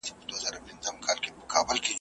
مُلا قاضي وي ملا افسر وي `